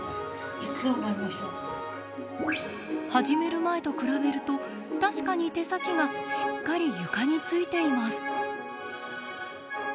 始める前と比べると確かに手先がしっかり床に着いています。